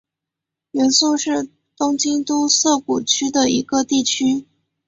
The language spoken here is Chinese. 原宿是东京都涩谷区的一个地区。